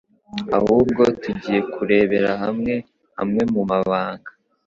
ahubwo tugiye kurebera hamwe amwe mu mabanga